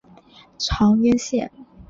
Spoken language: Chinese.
长渊线